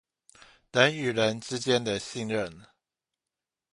人與人之間的信任